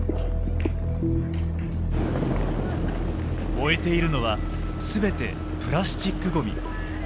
燃えているのは全てプラスチックごみ。